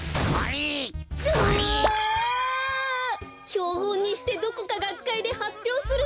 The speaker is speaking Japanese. ひょうほんにしてどこかがっかいではっぴょうするのもいいですね。